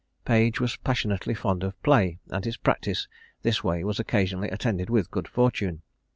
Page was passionately fond of play, and his practice this way was occasionally attended with good fortune.